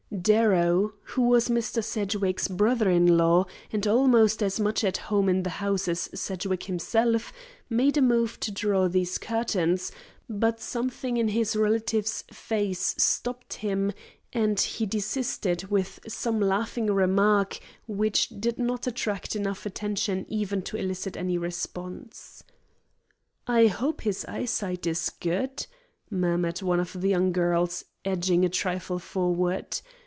Darrow, who was Mr. Sedgwick's brother in law and almost as much at home in the house as Sedgwick himself, made a move to draw these curtains, but something in his relative's face stopped him and he desisted with some laughing remark which did not attract enough attention, even, to elicit any response. "I hope his eyesight is good," murmured one of the young girls, edging a trifle forward.